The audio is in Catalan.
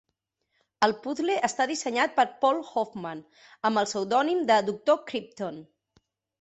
El puzle està dissenyat per Paul Hoffman, amb el pseudònim de "Dr. Crypton".